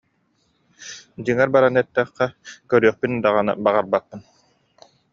Дьиҥэр баран эттэххэ, көрүөхпүн даҕаны баҕарбаппын